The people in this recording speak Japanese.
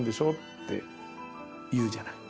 って言うじゃない。